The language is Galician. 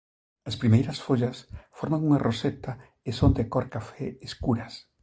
As primeiras follas forman unha roseta e son de cor café escuras.